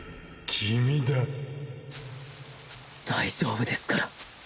大丈夫ですから。